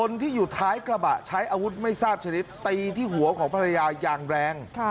ใช้กระบะใช้อาวุธไม่ทราบชนิดตีที่หัวของภรรยายางแรง